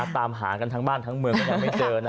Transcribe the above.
ตามหากันทั้งบ้านทั้งเมืองก็ยังไม่เจอนะ